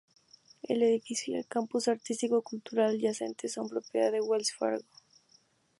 El edificio y el campus artístico-cultural adyacente son propiedad de Wells Fargo.